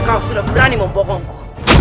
kau sudah berani membobongku